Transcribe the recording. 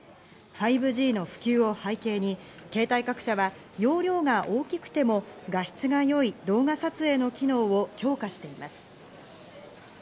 ５Ｇの普及を背景に携帯各社は容量が大きくても画質が良い動画撮影の機能を強化しています。